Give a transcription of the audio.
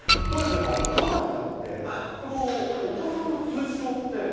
どうですか、パパになって、お子さんの通知表って。